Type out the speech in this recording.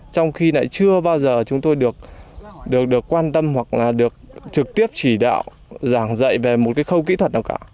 trong khi lại chưa bao giờ chúng tôi được quan tâm hoặc là được trực tiếp chỉ đạo giảng dạy về một cái khâu kỹ thuật nào cả